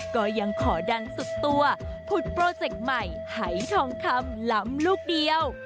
ก็ยังขอดังสุดตัวผุดโปรเจคใหม่หายทองคำล้ำลูกเดียว